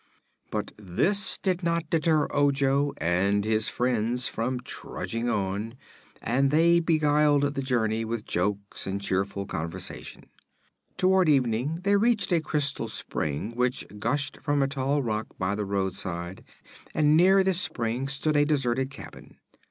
But this did not deter Ojo and his friends from trudging on, and they beguiled the journey with jokes and cheerful conversation. Toward evening they reached a crystal spring which gushed from a tall rock by the roadside and near this spring stood a deserted cabin.